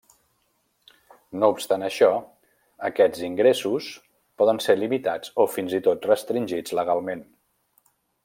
No obstant això, aquests ingressos poden ser limitats, o fins i tot, restringits legalment.